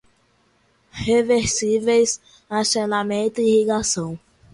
reversíveis, acionamento, irrigação